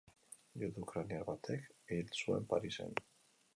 Judu ukrainar batek hil zuen Parisen.